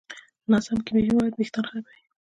ناسم کیمیاوي مواد وېښتيان خرابوي.